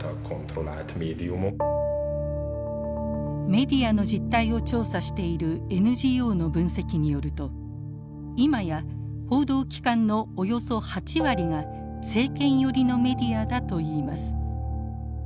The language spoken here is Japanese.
メディアの実態を調査しているＮＧＯの分析によると今や報道機関のおよそ８割が政権寄りのメディアだといいます。